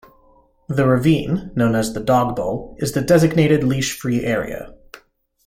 The ravine, known as the dog bowl, is the designated leash-free area.